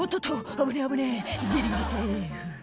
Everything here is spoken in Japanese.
危ねぇ危ねぇギリギリセーフ」